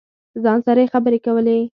ځان سره یې خبرې کولې.